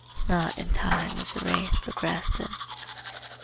Not in time is the race progressive.